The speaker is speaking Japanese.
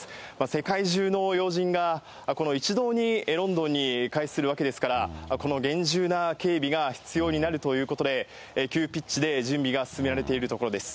世界中の要人が、この一堂に、ロンドンに会するわけですから、この厳重な警備が必要になるということで、急ピッチで準備が進められているところです。